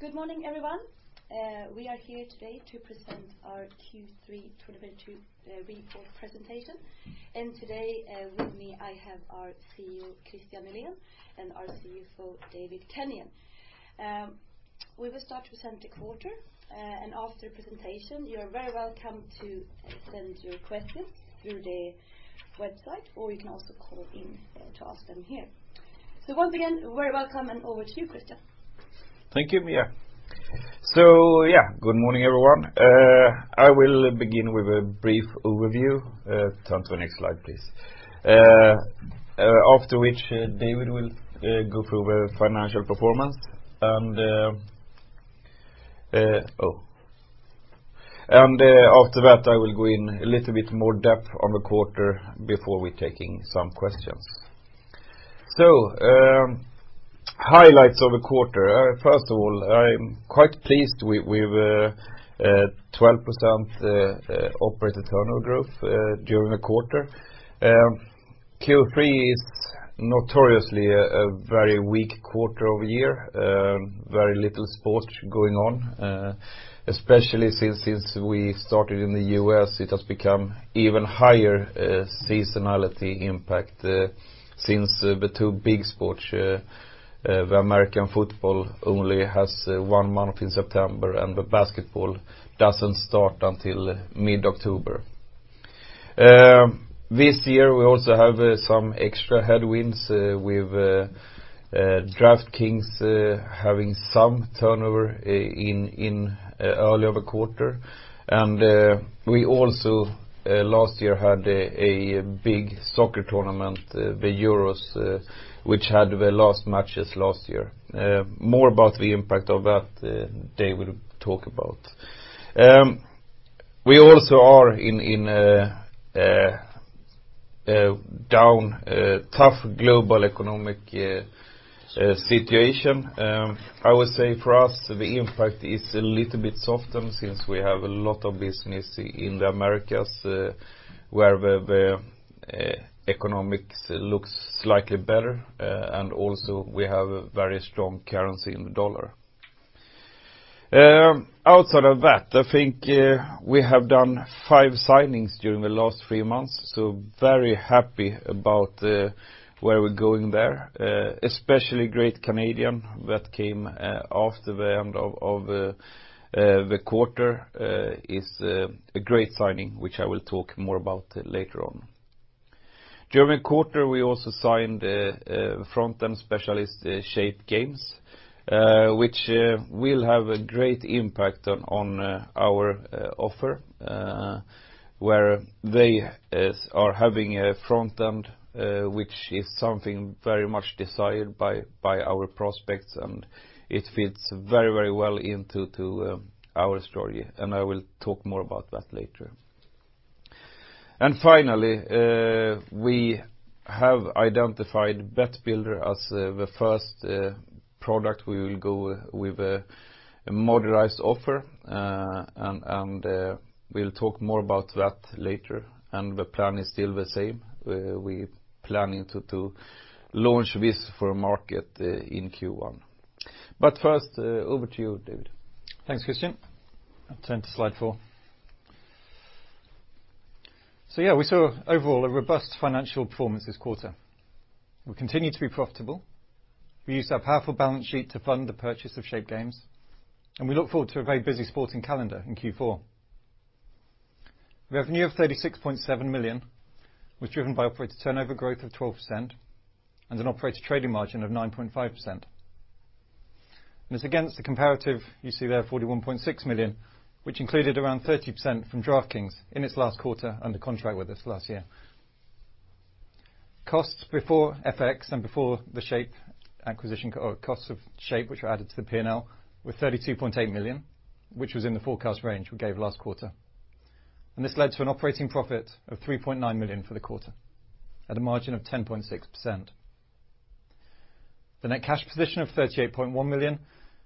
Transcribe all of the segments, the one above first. Good morning, everyone. We are here today to present our Q3 2022 report presentation. Today, with me, I have our Chief Executive Officer, Kristian Nylén, and our Chief Financial Officer, David Kenyon. We will start presenting quarter, and after presentation, you're very welcome to send your questions through the website, or you can also call in, to ask them here. Once again, very welcome, and over to you, Kristian. Thank you, Mia. Yeah, good morning, everyone. I will begin with a brief overview. Turn to the next slide, please. After which, David will go through the financial performance and after that, I will go in a little bit more depth on the quarter before we taking some questions. Highlights of the quarter. First of all, I'm quite pleased with 12% operator turnover growth during the quarter. Q3 is notoriously a very weak quarter of the year, very little sport going on, especially since we started in the U.S., it has become even higher seasonality impact, since the two big sports, the American football only has one month in September, and the basketball doesn't start until mid-October. This year, we also have some extra headwinds with DraftKings having some turnover in early in the quarter. We also last year had a big soccer tournament, the Euros, which had the last matches last year. More about the impact of that, David will talk about. We also are in a tough global economic situation. I would say for us, the impact is a little bit softer since we have a lot of business in the Americas, where the economics looks slightly better, and also we have a very strong currency in the dollar. Outside of that, I think we have done five signings during the last three months, so very happy about where we're going there. Especially Great Canadian that came after the end of the quarter is a great signing, which I will talk more about later on. During the quarter, we also signed a front end specialist, Shape Games, which will have a great impact on our offer, where they are having a front end, which is something very much desired by our prospects, and it fits very well into our story. I will talk more about that later. Finally, we have identified BetBuilder as the first product we will go with a modularized offer. We'll talk more about that later. The plan is still the same. We planning to launch this for market in Q1. First, over to you, David. Thanks, Kristian. I'll turn to slide four. Yeah, we saw overall a robust financial performance this quarter. We continue to be profitable. We used our powerful balance sheet to fund the purchase of Shape Games, and we look forward to a very busy sporting calendar in Q4. Revenue of 36.7 million was driven by operator turnover growth of 12% and an operator trading margin of 9.5%. It's against the comparative you see there, 41.6 million, which included around 30% from DraftKings in its last quarter under contract with us last year. Costs before FX and before the Shape acquisition or costs of Shape, which are added to the P&L, were 32.8 million, which was in the forecast range we gave last quarter. This led to an operating profit of 3.9 million for the quarter at a margin of 10.6%. The net cash position of 38.1 million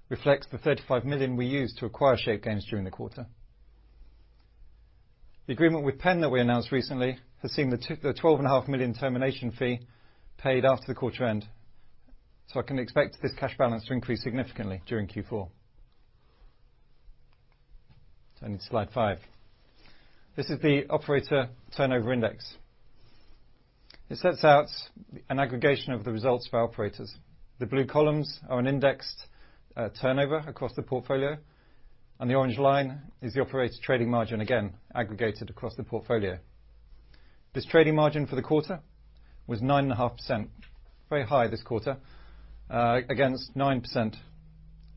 reflects the 35 million we used to acquire Shape Games during the quarter. The agreement with PENN that we announced recently has seen the 12.5 million termination fee paid after the quarter end, so I can expect this cash balance to increase significantly during Q4. Turning to slide five. This is the operator turnover index. It sets out an aggregation of the results of our operators. The blue columns are an indexed turnover across the portfolio, and the orange line is the operator trading margin, again, aggregated across the portfolio. This trading margin for the quarter was 9.5%, very high this quarter, against 9%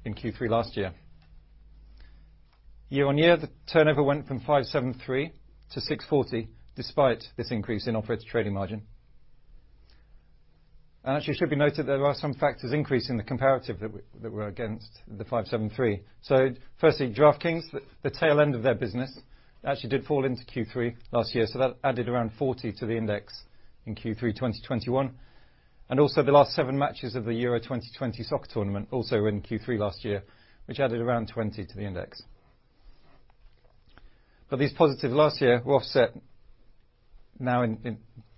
in Q3 last year. Year-over-year, the turnover went from 573 to 640 despite this increase in operator trading margin. Actually, it should be noted there are some factors increase in the comparative that were against the 573. Firstly, DraftKings, the tail end of their business actually did fall into Q3 last year, so that added around 40 to the index in Q3 2021. Also the last seven matches of the Euro 2020 soccer tournament were in Q3 last year, which added around 20 to the index. These positives last year were offset now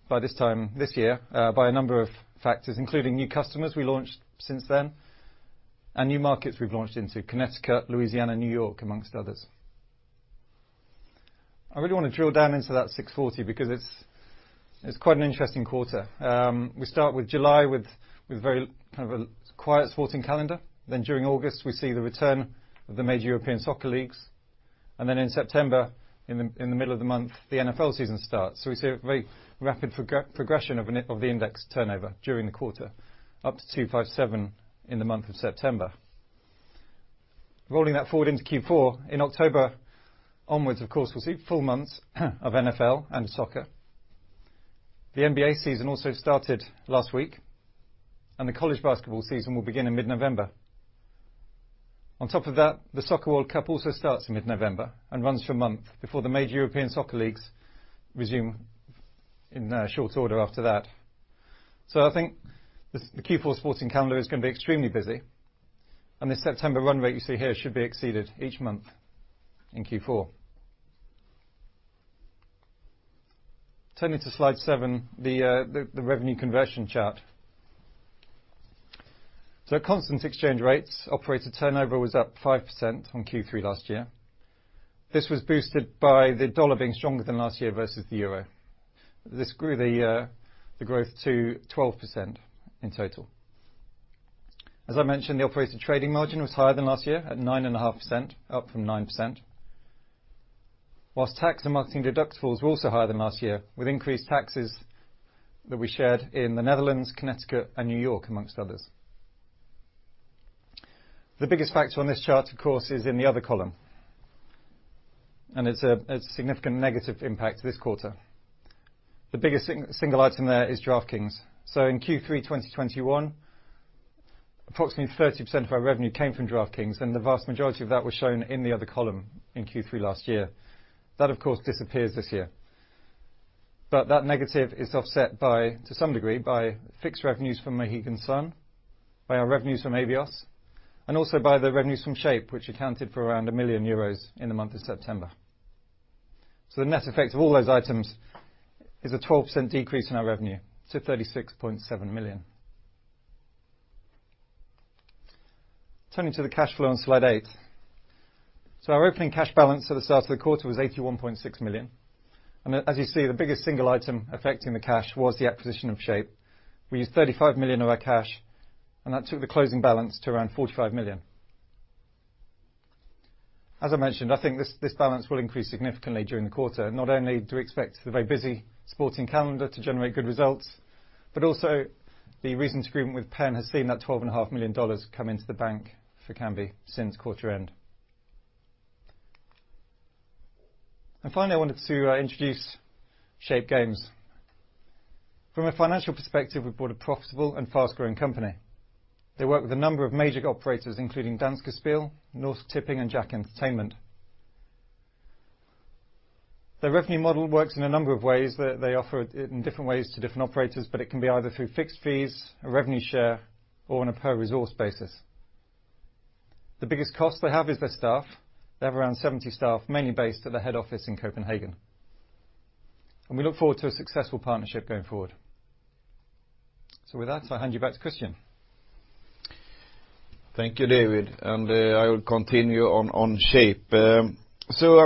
by this time this year by a number of factors, including new customers we launched since then and new markets we've launched into, Connecticut, Louisiana, New York amongst others. I really wanna drill down into that 640 because it's quite an interesting quarter. We start with July with very kind of a quiet sporting calendar. During August, we see the return of the major European soccer leagues. In September, in the middle of the month, the NFL season starts. We see a very rapid progression of the index turnover during the quarter, up to 257 in the month of September. Rolling that forward into Q4, in October onwards, of course, we'll see full months of NFL and soccer. The NBA season also started last week, and the college basketball season will begin in mid-November. On top of that, the soccer World Cup also starts in mid-November and runs for a month before the major European soccer leagues resume in short order after that. I think the Q4 sports and calendar is gonna be extremely busy, and the September run rate you see here should be exceeded each month in Q4. Turning to slide seven, the revenue conversion chart. At constant exchange rates, operator turnover was up 5% from Q3 last year. This was boosted by the dollar being stronger than last year versus the euro. This grew the growth to 12% in total. As I mentioned, the operator trading margin was higher than last year at 9.5%, up from 9%. While tax and marketing deductibles were also higher than last year, with increased taxes that we shared in the Netherlands, Connecticut, and New York, among others. The biggest factor on this chart, of course, is in the other column, and it's a significant negative impact this quarter. The biggest single item there is DraftKings. In Q3 2021, approximately 30% of our revenue came from DraftKings, and the vast majority of that was shown in the other column in Q3 last year. That, of course, disappears this year. That negative is offset by, to some degree, by fixed revenues from Mohegan Sun, by our revenues from Abios, and also by the revenues from Shape, which accounted for around 1 million euros in the month of September. The net effect of all those items is a 12% decrease in our revenue to 36.7 million. Turning to the cash flow on slide eight. Our opening cash balance at the start of the quarter was 81.6 million. As you see, the biggest single item affecting the cash was the acquisition of Shape. We used 35 million of our cash, and that took the closing balance to around 45 million. As I mentioned, I think this balance will increase significantly during the quarter. Not only do we expect the very busy sporting calendar to generate good results, but also the recent agreement with PENN has seen that $12.5 million come into the bank for Kambi since quarter end. Finally, I wanted to introduce Shape Games. From a financial perspective, we bought a profitable and fast-growing company. They work with a number of major operators, including Danske Spil, Norsk Tipping, and JACK Entertainment. Their revenue model works in a number of ways. They offer it in different ways to different operators, but it can be either through fixed fees, a revenue share, or on a per resource basis. The biggest cost they have is their staff. They have around 70 staff, mainly based at the head office in Copenhagen. We look forward to a successful partnership going forward. With that, I'll hand you back to Kristian Nylén. Thank you, David. I will continue on Shape. I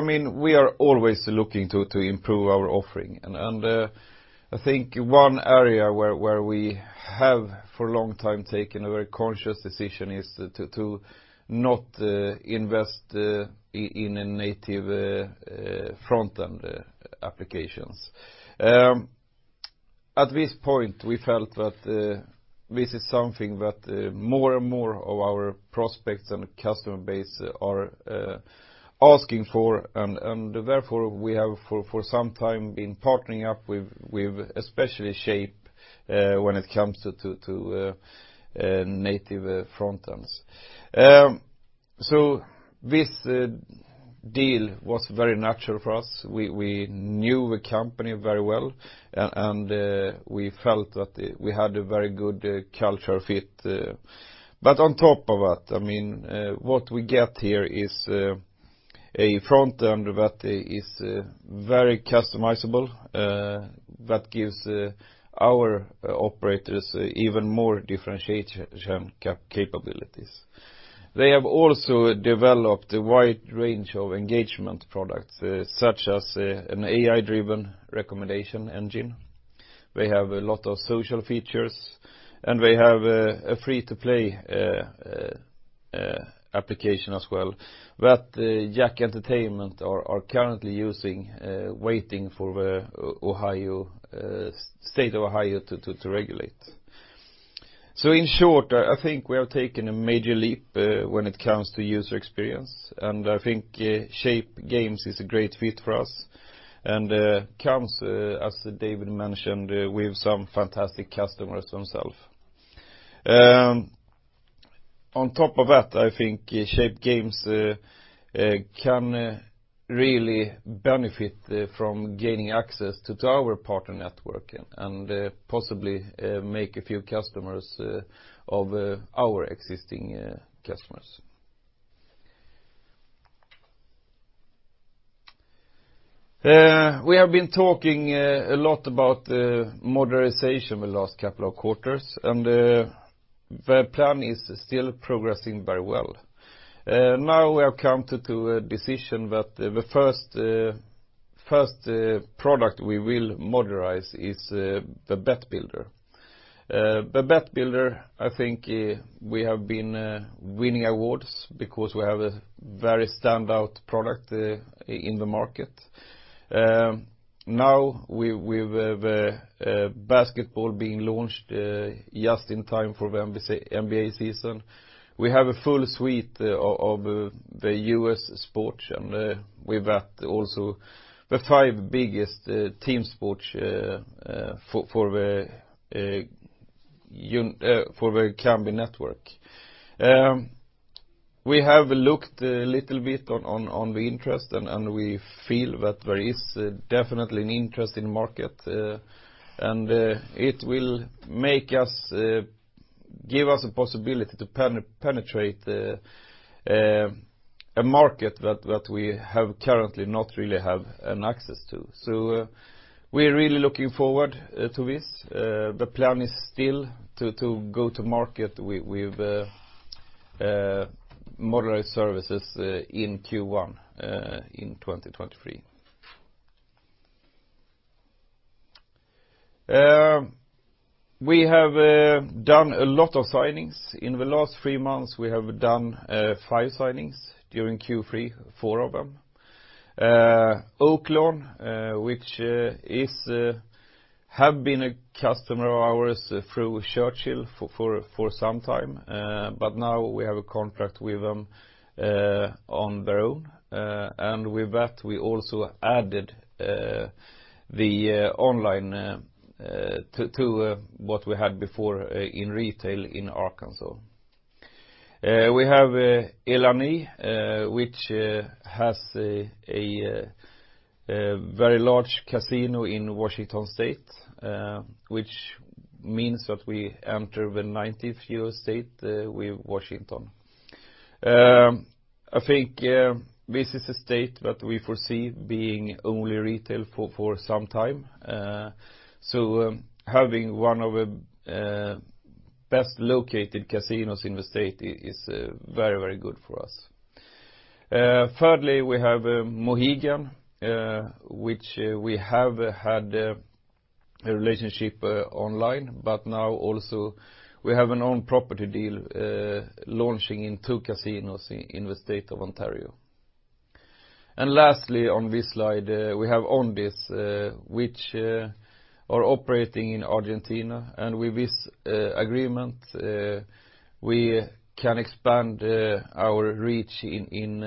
mean, we are always looking to improve our offering. I think one area where we have for a long time taken a very conscious decision is to not invest in native front-end applications. At this point, we felt that this is something that more and more of our prospects and customer base are asking for. Therefore, we have for some time been partnering up with especially Shape when it comes to native front-ends. This deal was very natural for us. We knew the company very well and we felt that we had a very good culture fit. On top of that, I mean, what we get here is a front-end that is very customizable that gives our operators even more differentiation capabilities. They have also developed a wide range of engagement products such as an AI-driven recommendation engine. They have a lot of social features, and they have a free-to-play application as well that JACK Entertainment are currently using waiting for the State of Ohio to regulate. In short, I think we have taken a major leap when it comes to user experience, and I think Shape Games is a great fit for us and comes as David mentioned with some fantastic customers themselves. On top of that, I think Shape Games can really benefit from gaining access to our partner network and possibly make a few customers of our existing customers. We have been talking a lot about the modernization the last couple of quarters, and the plan is still progressing very well. Now we have come to a decision that the first product we will modernize is the Bet Builder. The Bet Builder, I think, we have been winning awards because we have a very standout product in the market. Now we have basketball being launched just in time for the NBA season. We have a full suite of the U.S.. Sports, and with that also the five biggest team sports for the U.S. For the Kambi network. We have looked a little bit on the interest and we feel that there is definitely an interest in the market. It will make us give us a possibility to penetrate a market that we have currently not really have an access to. We're really looking forward to this. The plan is still to go to market with modernized services in Q1 in 2023. We have done a lot of signings. In the last three months we have done five signings. During Q3, four of them. Oaklawn, which has been a customer of ours through Churchill for some time, but now we have a contract with them on their own. With that we also added the online to what we had before in retail in Arkansas. We have Ilani, which has a very large casino in Washington State, which means that we enter the ninth U.S. state with Washington. I think this is a state that we foresee being only retail for some time. Having one of the best located casinos in the state is very good for us. Thirdly, we have Mohegan, which we have had a relationship online, but now also we have our own property deal launching in two casinos in the state of Ontario. Lastly on this slide, we have Ondiss, which are operating in Argentina. With this agreement, we can expand our reach in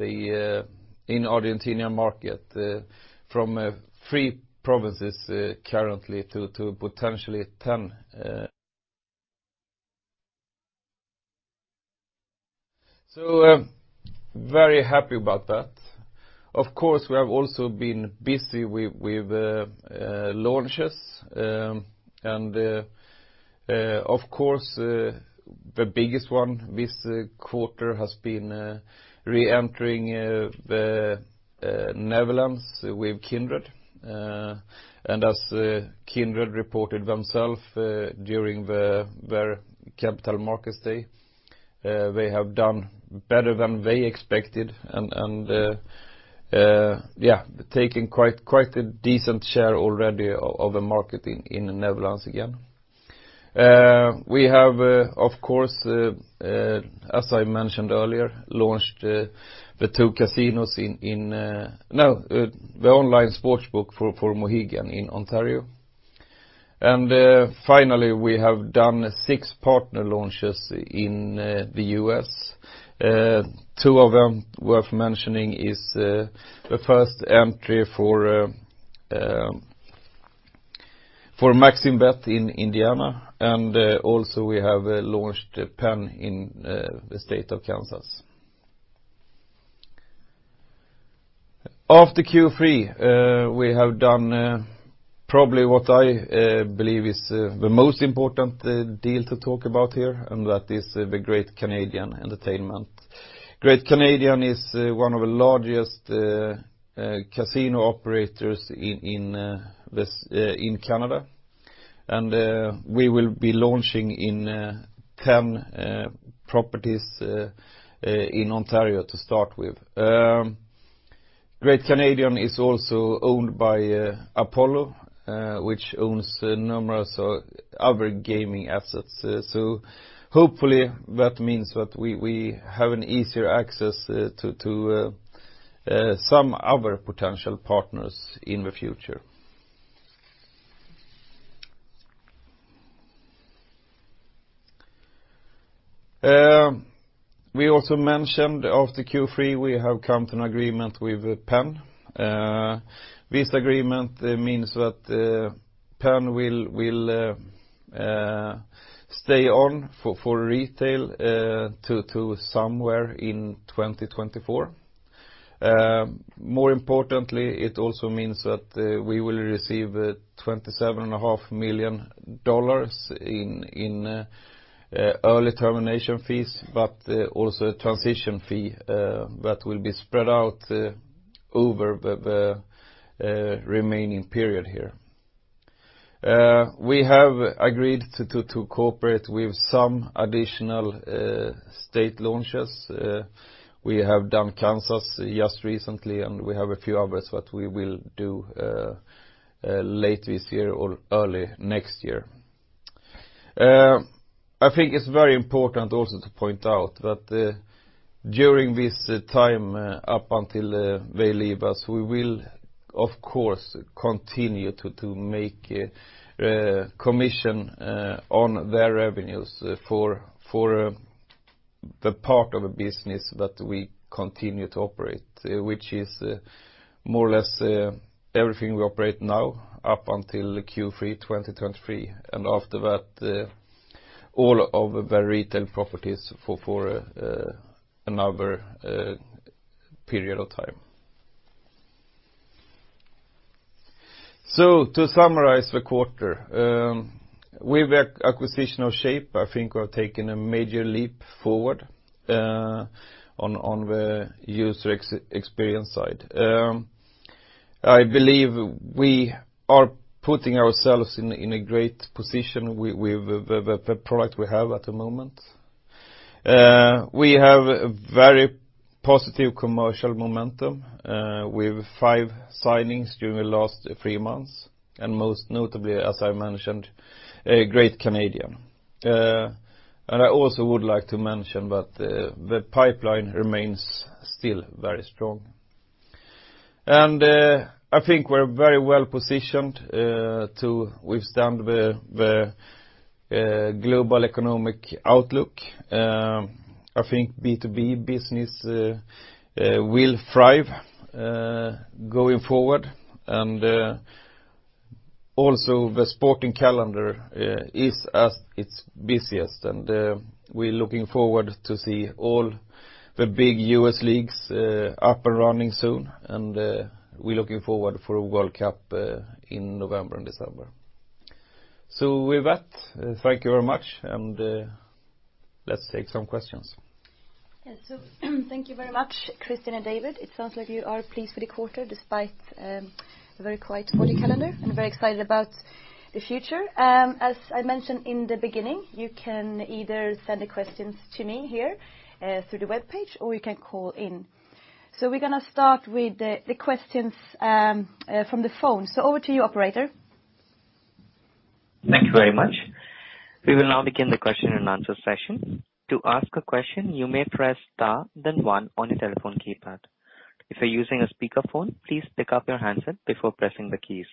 the Argentine market from three provinces currently to potentially 10. Very happy about that. Of course, we have also been busy with launches. Of course, the biggest one this quarter has been reentering the Netherlands with Kindred. Kindred reported themselves during their Capital Markets Day. They have done better than they expected and yeah, taking quite a decent share already of the market in the Netherlands again. We have, of course, as I mentioned earlier, launched the online sportsbook for Mohegan in Ontario. Finally, we have done 6 partner launches in the U.S. Two of them worth mentioning is the first entry for MaximBet in Indiana, and also we have launched Penn in the State of Kansas. After Q3, we have done probably what I believe is the most important deal to talk about here, and that is the Great Canadian Entertainment. Great Canadian is one of the largest casino operators in Canada. We will be launching in 10 properties in Ontario to start with. Great Canadian is also owned by Apollo, which owns numerous other gaming assets. Hopefully that means that we have an easier access to some other potential partners in the future. We also mentioned after Q3 we have come to an agreement with Penn. This agreement, it means that Penn will stay on for retail to somewhere in 2024. More importantly, it also means that we will receive $27 and a half million dollars in early termination fees, but also a transition fee that will be spread out over the remaining period here. We have agreed to cooperate with some additional state launches. We have done Kansas just recently, and we have a few others that we will do late this year or early next year. I think it's very important also to point out that, during this time up until they leave us, we will, of course, continue to make commission on their revenues for the part of the business that we continue to operate, which is more or less everything we operate now up until Q3 2023, and after that, all of the retail properties for another period of time. To summarize the quarter, with the acquisition of Shape, I think we've taken a major leap forward on the user experience side. I believe we are putting ourselves in a great position with the product we have at the moment. We have a very positive commercial momentum with five signings during the last three months, and most notably, as I mentioned, Great Canadian. I also would like to mention that the pipeline remains still very strong. I think we're very well-positioned to withstand the global economic outlook. I think B2B business will thrive going forward. Also the sporting calendar is at its busiest, and we're looking forward to see all the big U.S. Leagues up and running soon. We're looking forward for a World Cup in November and December. With that, thank you very much, and let's take some questions. Yeah. Thank you very much, Kristian and David. It sounds like you are pleased with the quarter despite a very quiet sporting calendar, and very excited about the future. As I mentioned in the beginning, you can either send the questions to me here through the webpage, or you can call in. We're gonna start with the questions from the phone. Over to you, operator. Thank you very much. We will now begin the question and answer session. To ask a question, you may press star then one on your telephone keypad. If you're using a speakerphone, please pick up your handset before pressing the keys.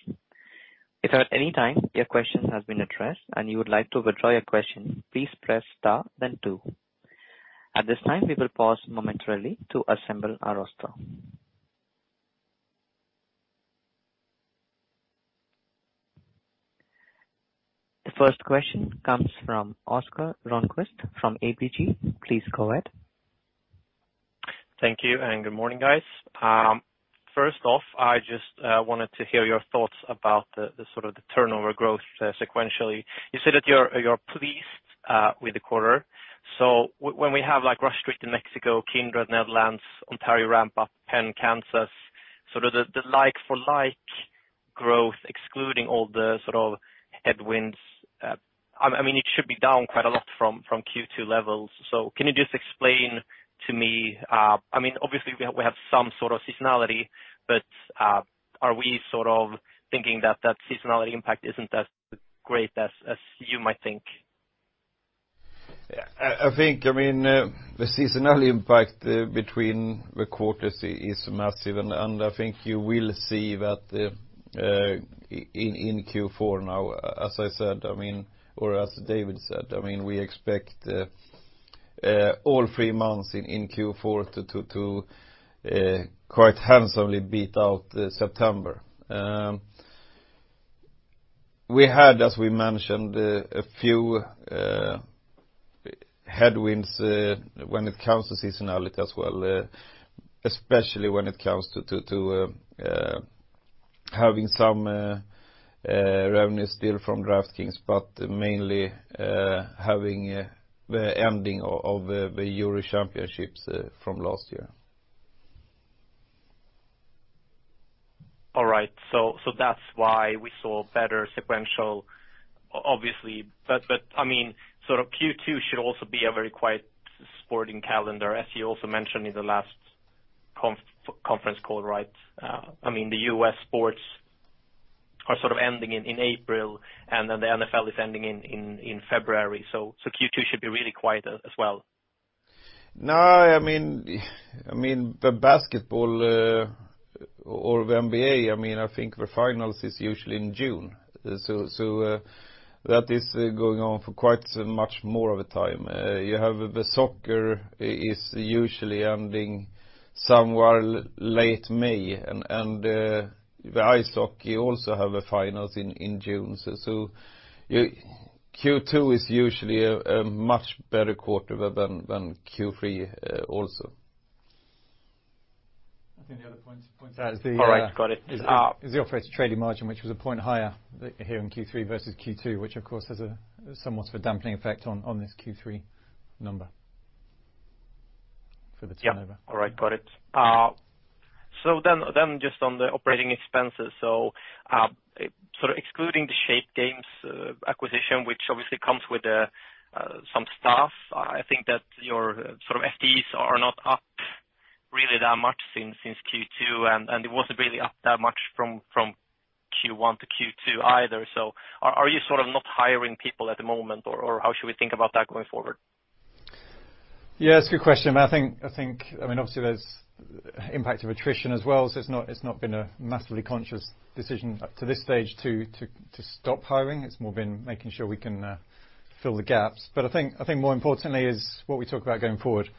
If at any time your question has been addressed and you would like to withdraw your question, please press star then two. At this time, we will pause momentarily to assemble our roster. The first question comes from Oscar Rönnkvist from ABG. Please go ahead. Thank you, good morning, guys. First off, I just wanted to hear your thoughts about the sort of turnover growth sequentially. You say that you're pleased with the quarter. When we have, like, Rush Street Interactive in Mexico, Kindred Group Netherlands, Ontario ramp up, PENN Entertainment Kansas, sort of the like for like growth, excluding all the sort of headwinds, I mean, it should be down quite a lot from Q2 levels. Can you just explain to me? I mean, obviously we have some sort of seasonality, but are we sort of thinking that that seasonality impact isn't as great as you might think? Yeah. I think, I mean, the seasonality impact between the quarters is massive, and I think you will see that in Q4 now. As I said, I mean, or as David said, I mean, we expect all three months in Q4 to quite handsomely beat out September. We had, as we mentioned, a few headwinds when it comes to seasonality as well, especially when it comes to having some revenue still from DraftKings, but mainly having the ending of the Euros from last year. All right. That's why we saw better sequential, obviously. I mean, sort of Q2 should also be a very quiet sporting calendar, as you also mentioned in the last conference call, right? I mean, the U.S. sports are sort of ending in April, and then the NFL is ending in February. Q2 should be really quiet as well. No. I mean, the basketball or the NBA, I mean, I think the finals is usually in June. That is going on for much more of a time. You have the soccer is usually ending somewhere late May. The ice hockey also have a finals in June. Q2 is usually a much better quarter than Q3, also. I think the other point to point out is the. All right. Got it. Is the operator's trading margin, which was a point higher here in Q3 versus Q2, which of course has a somewhat of a damping effect on this Q3 number. Yeah. All right. Got it. Just on the operating expenses. Sort of excluding the Shape Games acquisition, which obviously comes with some staff, I think that your sort of FTEs are not up really that much since Q2, and it wasn't really up that much from Q1 to Q2 either. Are you sort of not hiring people at the moment, or how should we think about that going forward? Yeah, it's a good question. I think, I mean, obviously there's impact of attrition as well, so it's not been a massively conscious decision up to this stage to stop hiring. It's more been making sure we can fill the gaps. I think more importantly is what we talk about going forward.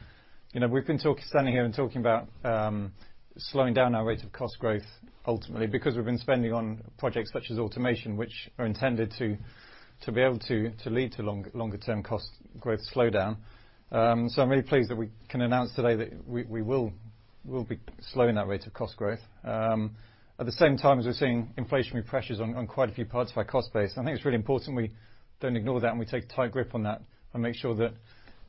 You know, we've been standing here and talking about slowing down our rate of cost growth, ultimately because we've been spending on projects such as automation, which are intended to be able to lead to longer term cost growth slowdown. So I'm really pleased that we can announce today that we will be slowing that rate of cost growth. At the same time as we're seeing inflationary pressures on quite a few parts of our cost base, and I think it's really important we don't ignore that, and we take a tight grip on that and make sure that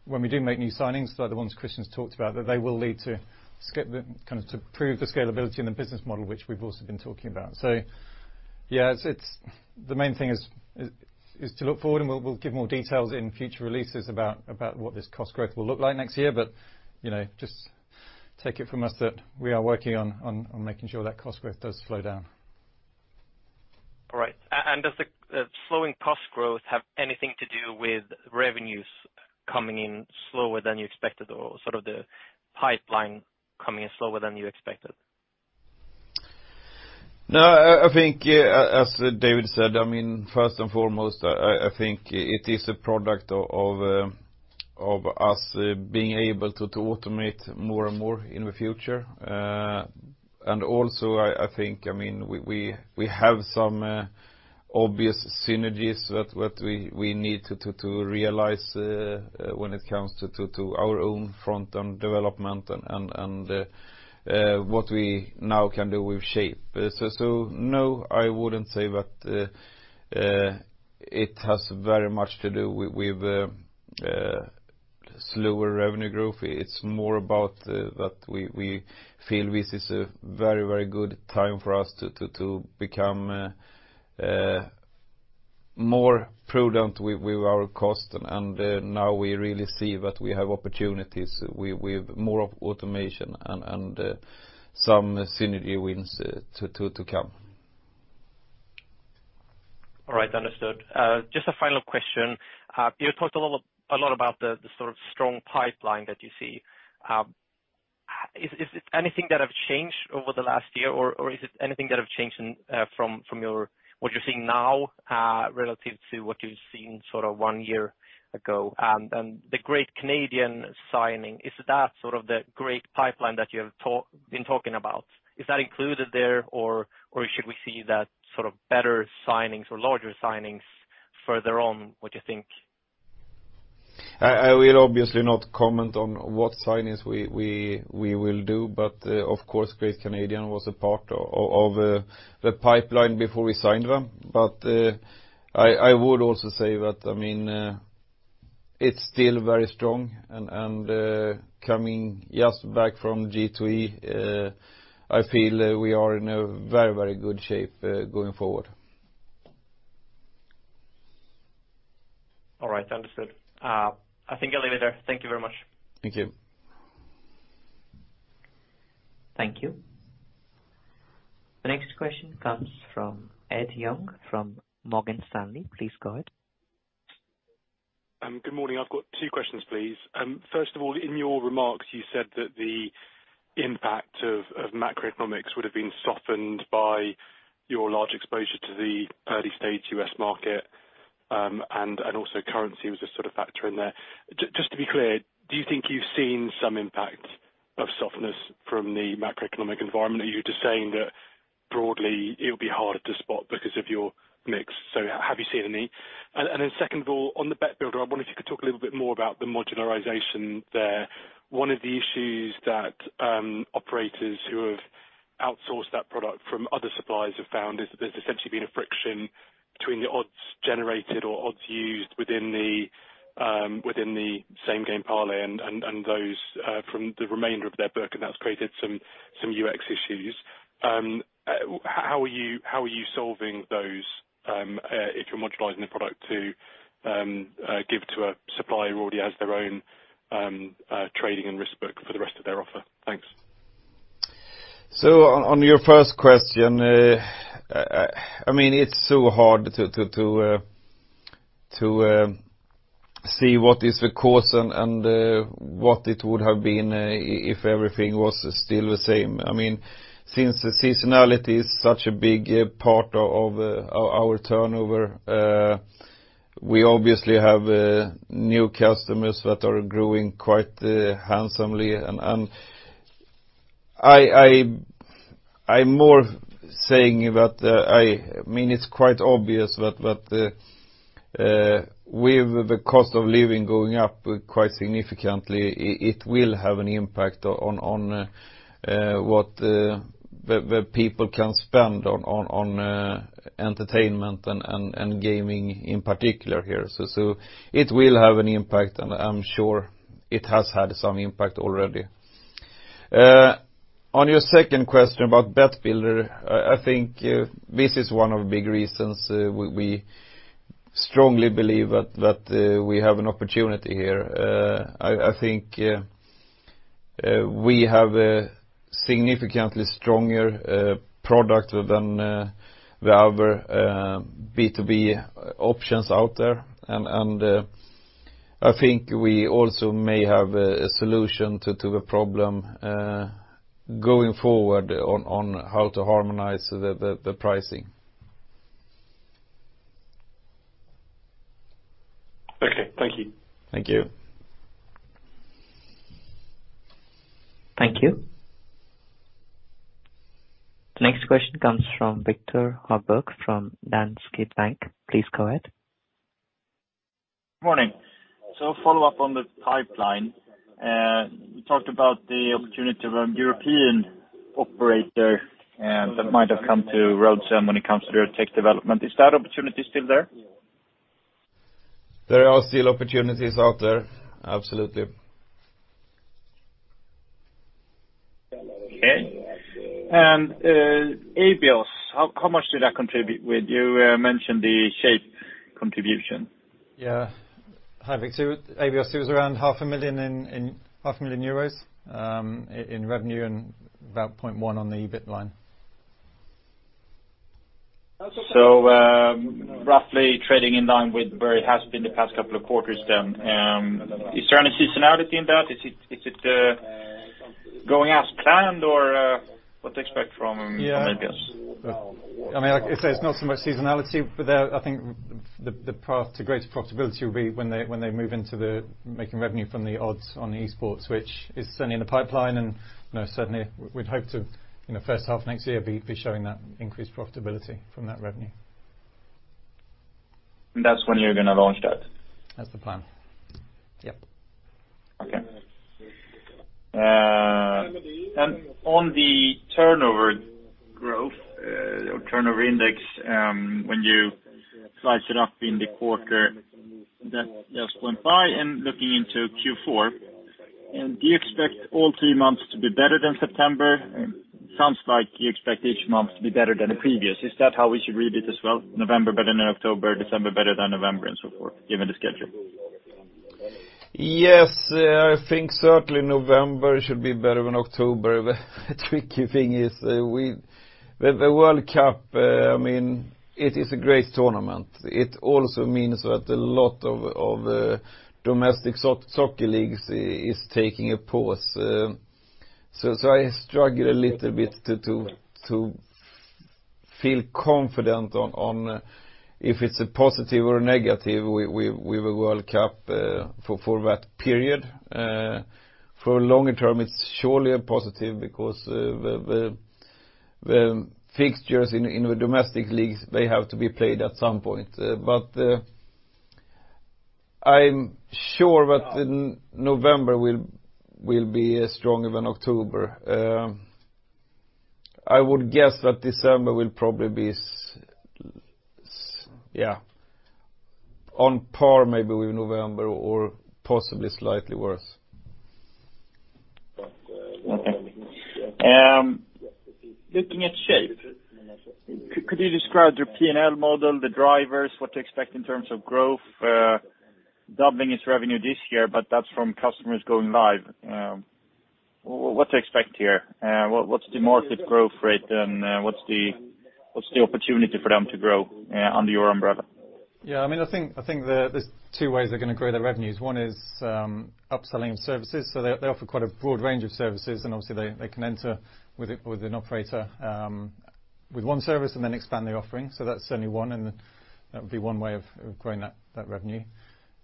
when we do make new signings, like the ones Kristian's talked about, that they will lead kind of to prove the scalability in the business model, which we've also been talking about. Yeah, it's the main thing is to look forward, and we'll give more details in future releases about what this cost growth will look like next year. You know, just take it from us that we are working on making sure that cost growth does slow down. All right. Does the slowing cost growth have anything to do with revenues coming in slower than you expected or sort of the pipeline coming in slower than you expected? No, I think, yeah, as David said, I mean, first and foremost, I think it is a product of us being able to automate more and more in the future. Also I think, I mean, we have some obvious synergies that we need to realize when it comes to our own front-end development and what we now can do with Shape. So, no, I wouldn't say that it has very much to do with slower revenue growth. It's more about that we feel this is a very good time for us to become more prudent with our cost. Now we really see that we have opportunities with more of automation and some synergy wins to come. All right. Understood. Just a final question. You talked a lot about the sort of strong pipeline that you see. Is it anything that have changed over the last year, or is it anything that have changed from what you're seeing now relative to what you've seen sort of one year ago? The Great Canadian signing, is that sort of the great pipeline that you have been talking about? Is that included there, or should we see that sort of better signings or larger signings further on, would you think? I will obviously not comment on what signings we will do, but of course, Great Canadian was a part of the pipeline before we signed them. I would also say that, I mean, it's still very strong and coming just back from G2E, I feel we are in a very good shape going forward. All right. Understood. I think I'll leave it there. Thank you very much. Thank you. Thank you. The next question comes from Ed Young from Morgan Stanley. Please go ahead. Good morning. I've got two questions, please. First of all, in your remarks, you said that the impact of macroeconomics would have been softened by your large exposure to the early stage U.S. market, and also currency was a sort of factor in there. Just to be clear, do you think you've seen some impact of softness from the macroeconomic environment? Are you just saying that broadly it would be harder to spot because of your mix? Have you seen any? Then second of all, on the Bet Builder, I wonder if you could talk a little bit more about the modularization there. One of the issues that operators who have outsourced that product from other suppliers have found is that there's essentially been a friction between the odds generated or odds used within the same game parlay and those from the remainder of their book, and that's created some UX issues. How are you solving those if you're modularizing the product to give to a supplier who already has their own trading and risk book for the rest of their offer? Thanks. On your first question, I mean, it's so hard to see what is the cause and what it would have been if everything was still the same. I mean, since the seasonality is such a big part of our turnover, we obviously have new customers that are growing quite handsomely. I'm more saying that, I mean, it's quite obvious that with the cost of living going up quite significantly, it will have an impact on what the people can spend on entertainment and gaming in particular here. It will have an impact, and I'm sure it has had some impact already. On your second question about Bet Builder, I think this is one of the big reasons we strongly believe that we have an opportunity here. I think we have a significantly stronger product than the other B2B options out there. I think we also may have a solution to the problem going forward on how to harmonize the pricing. Okay, thank you. Thank you. Thank you. The next question comes from Viktor Högberg from Danske Bank. Please go ahead. Morning. A follow-up on the pipeline. You talked about the opportunity of a European operator that might have come to crossroads when it comes to their tech development. Is that opportunity still there? There are still opportunities out there, absolutely. Abios, how much did that contribute? You mentioned the Shape contribution. Hi, Viktor. Abios was around half a million EUR in revenue and about 0.1 million on the EBIT line. Roughly trading in line with where it has been the past couple of quarters then. Is there any seasonality in that? Is it going as planned, or what to expect from Abios? Yeah. I mean, like I say, it's not so much seasonality, but there, I think the path to greater profitability will be when they move into making revenue from the odds on esports, which is certainly in the pipeline. You know, certainly we'd hope to, in the first half next year, be showing that increased profitability from that revenue. That's when you're gonna launch that? That's the plan. Yep. Okay. On the turnover growth, or turnover index, when you sliced it up in the quarter that just went by and looking into Q4, do you expect all three months to be better than September? Sounds like you expect each month to be better than the previous. Is that how we should read it as well? November better than October, December better than November, and so forth, given the schedule. Yes. I think certainly November should be better than October. The tricky thing is, the World Cup, I mean, it is a great tournament. It also means that a lot of domestic soccer leagues is taking a pause. I struggle a little bit to feel confident on if it's a positive or a negative with the World Cup for that period. For longer term, it's surely a positive because the fixtures in the domestic leagues, they have to be played at some point. I'm sure that November will be stronger than October. I would guess that December will probably be on par maybe with November or possibly slightly worse. Looking at Shape, could you describe your P&L model, the drivers, what to expect in terms of growth? Doubling its revenue this year, but that's from customers going live. What to expect here? What’s the market growth rate and what’s the opportunity for them to grow under your umbrella? Yeah, I mean, I think there 's two ways they're gonna grow their revenues. One is upselling of services. They offer quite a broad range of services, and obviously they can enter with an operator with one service and then expand their offering. That's certainly one, and that would be one way of growing that revenue.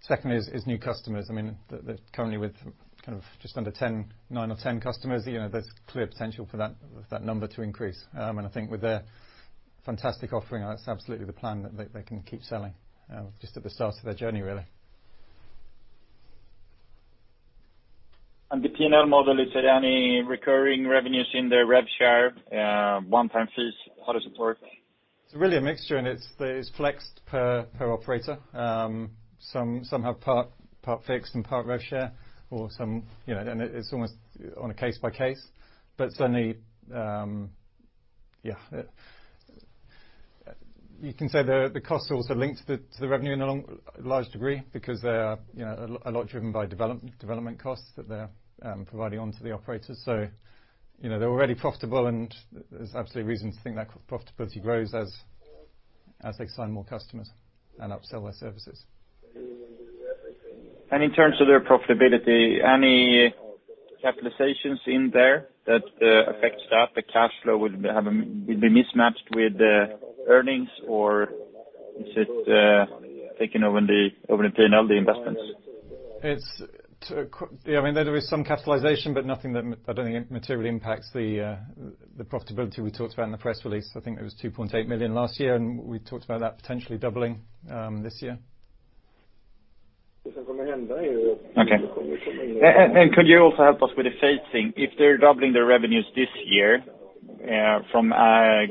Second is new customers. I mean, they're currently with kind of just under 10, 9 or 10 customers. You know, there's clear potential for that number to increase. I think with their fantastic offering, that's absolutely the plan that they can keep selling just at the start of their journey, really. The P&L model, is there any recurring revenues in their rev share, one-time fees, how does it work? It's really a mixture, and it's flexed per operator. Some have part fixed and part rev share, or some, you know. It's almost on a case by case. Certainly, yeah. You can say the costs are also linked to the revenue in a large degree because they are, you know, largely driven by development costs that they're passing on to the operators. You know, they're already profitable, and there's absolutely reason to think that profitability grows as they sign more customers and upsell their services. In terms of their profitability, any capitalizations in there that affects that? The cash flow will be mismatched with the earnings, or is it taken over in the P&L, the investments? Yeah, I mean, there is some capitalization, but nothing that, I don't think materially impacts the profitability we talked about in the press release. I think it was 2.8 million last year, and we talked about that potentially doubling this year. Could you also help us with the phasing? If they're doubling their revenues this year from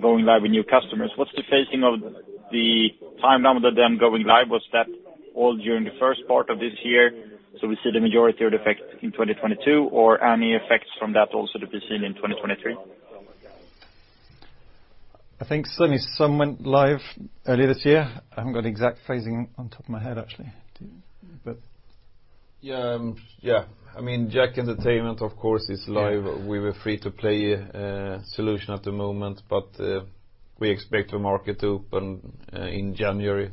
going live with new customers, what's the phasing of the timeline of them going live? Was that all during the first part of this year, so we see the majority of the effect in 2022, or any effects from that also to be seen in 2023? I think certainly some went live early this year. I haven't got exact phasing on top of my head, actually. Do you? I mean, JACK Entertainment, of course, is live. We have a free-to-play solution at the moment, but we expect the market to open in January.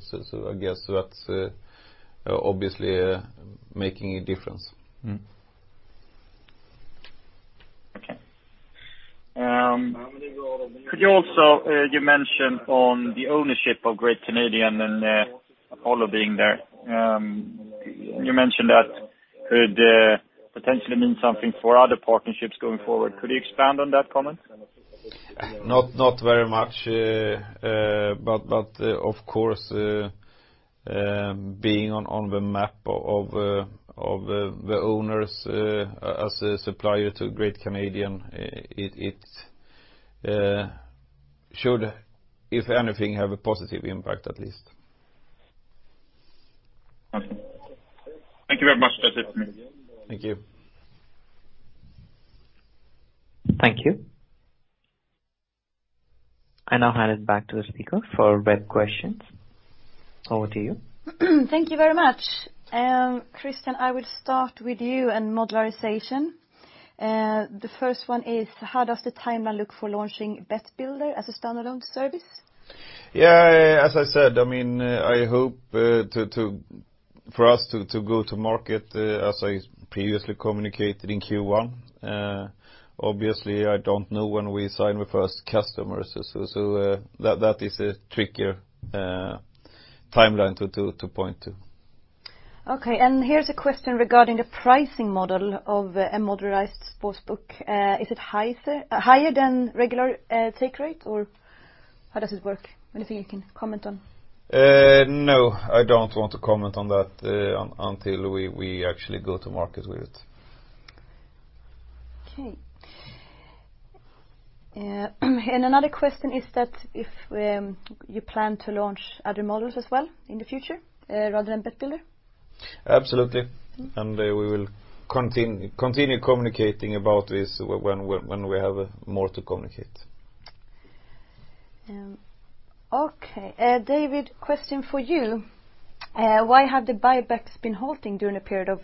I guess that's obviously making a difference. Okay. Could you also, you mentioned on the ownership of Great Canadian and, Apollo being there, you mentioned that could potentially mean something for other partnerships going forward. Could you expand on that comment? Not very much, but of course, being on the map of the owners as a supplier to Great Canadian, it should, if anything, have a positive impact at least. Thank you very much. That's it for me. Thank you. Thank you. I now hand it back to the speaker for web questions. Over to you. Thank you very much. Kristian, I will start with you and modularization. The first one is, how does the timeline look for launching BetBuilder as a standalone service? Yeah, as I said, I mean, I hope for us to go to market, as I previously communicated in Q1. Obviously, I don't know when we sign with first customers. That is a trickier timeline to point to. Okay, here's a question regarding the pricing model of a modularized sports book. Is it higher than regular take rate, or how does it work? Anything you can comment on? No, I don't want to comment on that until we actually go to market with it. Okay. Another question is that if you plan to launch other models as well in the future, rather than Bet Builder? Absolutely. We will continue communicating about this when we have more to communicate. Okay. David, question for you. Why have the buybacks been halting during a period of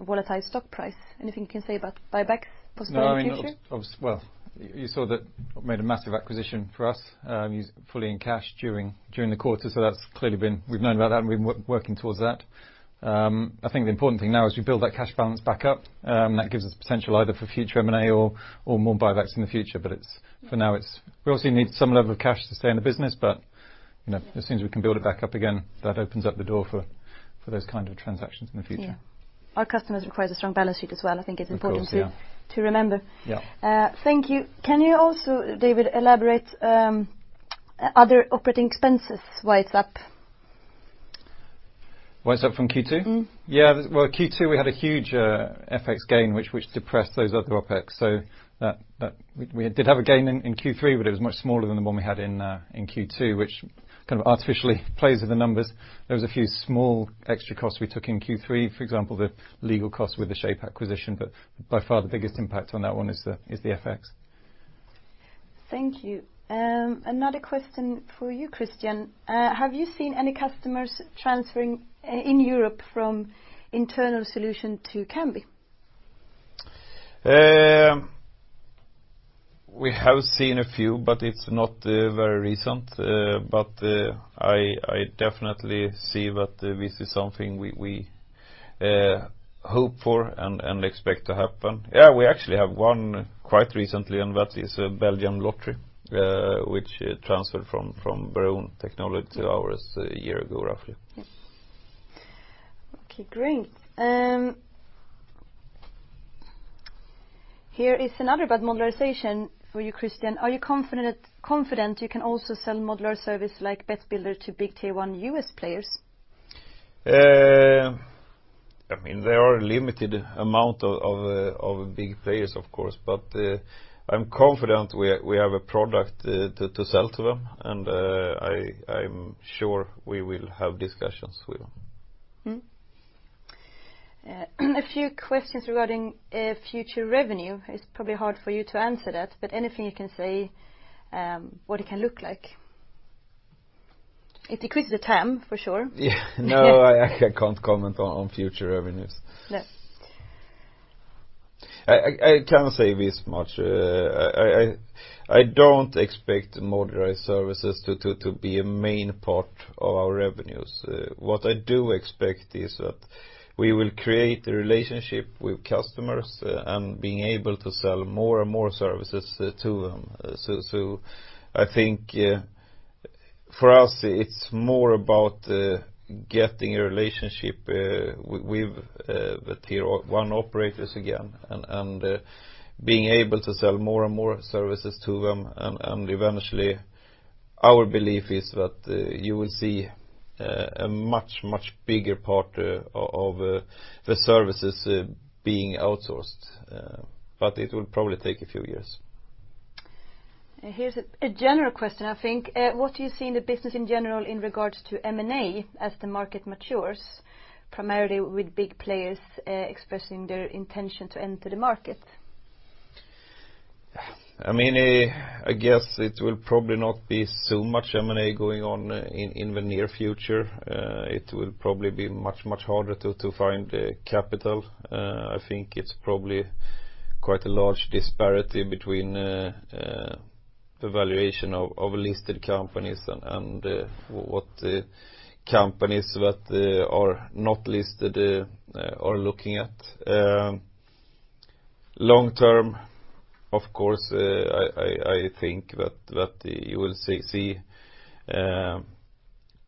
volatile stock price? Anything you can say about buybacks possibly in the future? No, I mean, Abios, well, you saw we made a massive acquisition for us, was fully in cash during the quarter, so that's clearly been. We've known about that and we've been working towards that. I think the important thing now is we build that cash balance back up, that gives us potential either for future M&A or more buybacks in the future. It's, for now, it's. We also need some level of cash to stay in the business, but you know, as soon as we can build it back up again, that opens up the door for those kind of transactions in the future. Yeah. Our customers require a strong balance sheet as well. I think it's important to. Of course, yeah. To remember. Yeah. Thank you. Can you also, David, elaborate, other operating expenses, why it's up? Why it's up from Q2? Mm-hmm. Yeah. Well, Q2, we had a huge FX gain which depressed those other OpEx. We did have a gain in Q3, but it was much smaller than the one we had in Q2, which kind of artificially plays with the numbers. There was a few small extra costs we took in Q3, for example, the legal costs with the Shape acquisition. But by far the biggest impact on that one is the FX. Thank you. Another question for you, Kristian. Have you seen any customers transferring in Europe from internal solution to Kambi? We have seen a few, but it's not very recent. I definitely see that this is something we hope for and expect to happen. Yeah, we actually have one quite recently, and that is Loterie Nationale, which transferred from SBTech to ours a year ago, roughly. Yes. Okay, great. Here is another about modularization for you, Kristian. Are you confident you can also sell modular service like Bet Builder to big Tier One U.S. players? I mean, there are a limited amount of big players, of course, but I'm confident we have a product to sell to them, and I'm sure we will have discussions with them. A few questions regarding future revenue. It's probably hard for you to answer that, but anything you can say what it can look like? It includes the TAM for sure. Yeah. No, I can't comment on future revenues. Yeah. I can say this much. I don't expect modularized services to be a main part of our revenues. What I do expect is that we will create a relationship with customers and being able to sell more and more services to them. I think for us it's more about getting a relationship with the Tier One operators again and being able to sell more and more services to them and eventually our belief is that you will see a much bigger part of the services being outsourced, but it will probably take a few years. Here's a general question, I think. What do you see in the business in general in regards to M&A as the market matures, primarily with big players expressing their intention to enter the market? I mean, I guess it will probably not be so much M&A going on in the near future. It will probably be much harder to find capital. I think it's probably quite a large disparity between the valuation of listed companies and what the companies that are not listed are looking at. Long term, of course, I think that you will see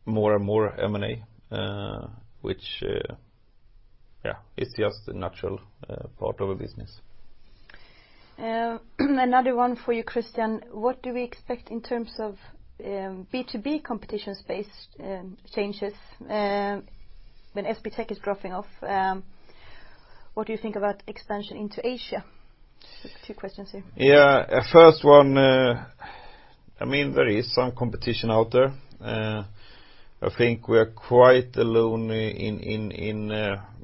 more and more M&A, which yeah, is just a natural part of a business. Another one for you, Kristian. What do we expect in terms of B2B competitive space, changes, when SBTech is dropping off? What do you think about expansion into Asia? Two questions here. Yeah. First one, I mean, there is some competition out there. I think we are quite alone in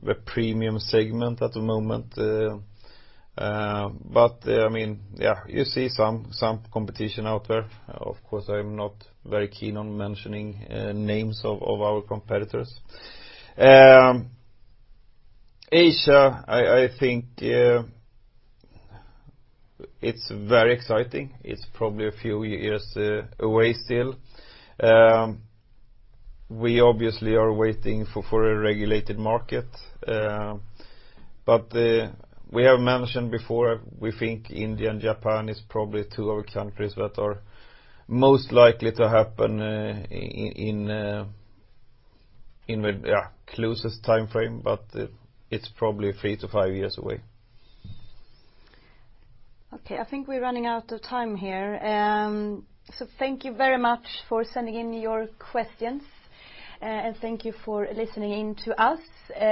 the premium segment at the moment. I mean, yeah, you see some competition out there. Of course, I'm not very keen on mentioning names of our competitors. Asia, I think it's very exciting. It's probably a few years away still. We obviously are waiting for a regulated market. We have mentioned before, we think India and Japan is probably two other countries that are most likely to happen in the closest timeframe, but it's probably three years-five years away. Okay. I think we're running out of time here. Thank you very much for sending in your questions, and thank you for listening in to us.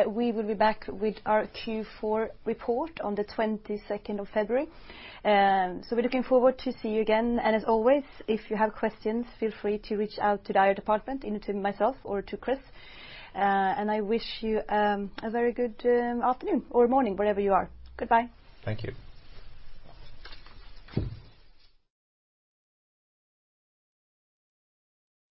We will be back with our Q4 report on the 22nd of February. We're looking forward to see you again. As always, if you have questions, feel free to reach out to the IR department, and to myself or to Kristian. I wish you a very good afternoon or morning, wherever you are. Goodbye. Thank you.